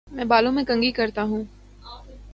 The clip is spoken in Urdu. میں بالوں میں کنگھی کرتا ہوں